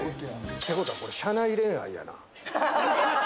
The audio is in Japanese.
てことは社内恋愛やな。